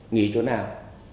nghỉ chỗ nào